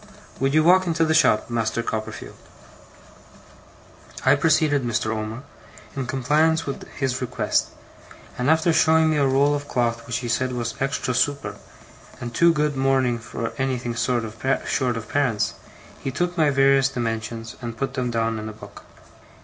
Would you walk into the shop, Master Copperfield?' I preceded Mr. Omer, in compliance with his request; and after showing me a roll of cloth which he said was extra super, and too good mourning for anything short of parents, he took my various dimensions, and put them down in a book.